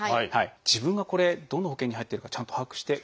自分がこれどの保険に入ってるかちゃんと把握していますか？